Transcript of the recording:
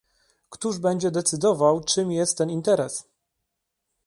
Któż będzie decydował, czym jest ten interes?